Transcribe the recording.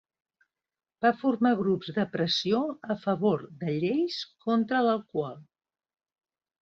Va formar grups de pressió a favor de lleis contra l'alcohol.